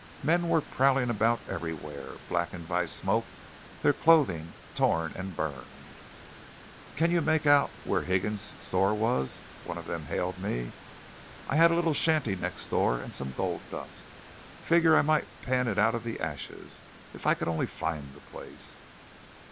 Men were prowling about everywhere, blackened by smoke, their clothing torn and burned. "Can you make out where Higgins's store was?" one of them hailed me. "I had a little shanty next door, and some gold dust. Figure I might pan it out of the ashes, if I could only find the place."